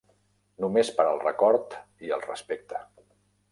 Només per al record i el respecte.